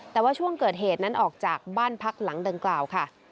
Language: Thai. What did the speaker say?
แต่ว่าช่วงเกิดเหตุนั้นออกจากบ้านพักหลังดังกล่าวค่ะ